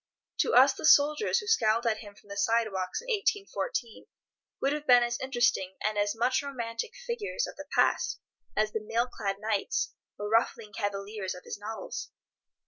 To us the soldiers who scowled at him from the sidewalks in 1814 would have been as interesting and as much romantic figures of the past as the mail clad knights or ruffling cavaliers of his novels.